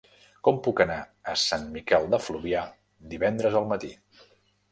Com puc anar a Sant Miquel de Fluvià divendres al matí?